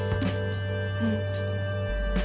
うん。